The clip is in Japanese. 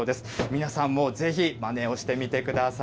皆さんもぜひまねをしてみてください。